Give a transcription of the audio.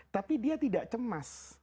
tapi dia tidak cemas